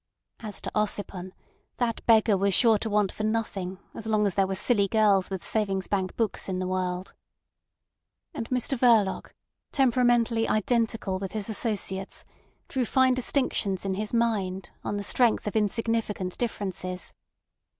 As to Ossipon, that beggar was sure to want for nothing as long as there were silly girls with savings bank books in the world. And Mr Verloc, temperamentally identical with his associates, drew fine distinctions in his mind on the strength of insignificant differences.